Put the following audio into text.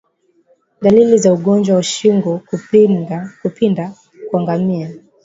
Daliliza ugonjwa wa shingo kupinda kwa ngamia